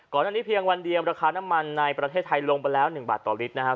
อันนี้เพียงวันเดียวราคาน้ำมันในประเทศไทยลงไปแล้ว๑บาทต่อลิตรนะครับ